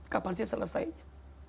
kapan sih selesainya